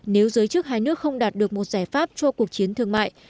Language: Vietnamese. nếu giới chức hai nước không đạt được một giải pháp cho cuộc chiến thương mại